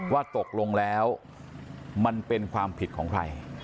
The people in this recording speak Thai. ว่าตกลงแล้วมันเป็นความผิดของใคร